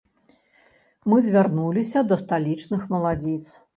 Мы звярнуліся да сталічных маладзіц.